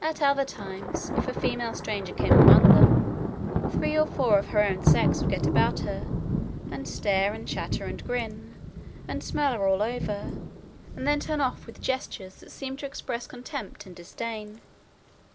"At other times, if a female stranger came among them, three or four of her own sex would get about her, and stare, and chatter, and grin, and smell her all over; and then turn off with gestures, that seemed to express contempt and disdain."